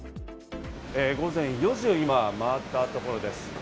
午前４時を回ったところです。